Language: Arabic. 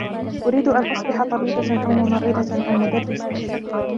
أريد أن أصبح طبيبة أو ممرضة أو مدرسة.